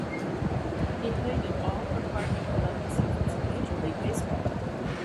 He played in all or part of eleven seasons in Major League Baseball.